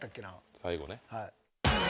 最後ね。